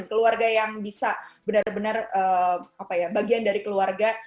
keluarga yang bisa benar benar bagian dari keluarga